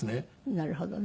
なるほどね。